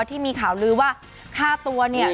ที่มีข่าวลือว่าฆ่าตัวเนี่ย